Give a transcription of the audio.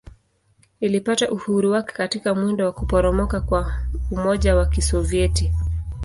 Ilipata uhuru wake katika mwendo wa kuporomoka kwa Umoja wa Kisovyeti.